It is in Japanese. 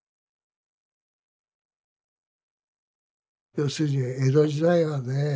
要するに江戸時代はね